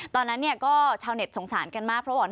ตอนนั้นชาวเน็ตสงสารกันมากเพราะว่าน้องถูกรดชน